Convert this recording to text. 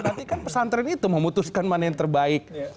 berarti kan pesantren itu memutuskan mana yang terbaik